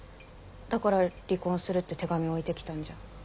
だから「離婚する」って手紙を置いてきたんじゃん。